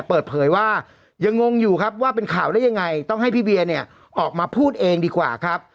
เปิดเผยว่ายังงงอยู่ครับว่าเป็นข่าวได้ยังไงต้องให้พี่เวียเนี่ยออกมาพูดเองดีกว่าครับ